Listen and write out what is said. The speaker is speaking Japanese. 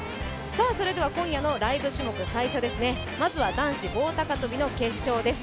それでは今夜のライブ種目最初ですね、まずは男子棒高跳の決勝です。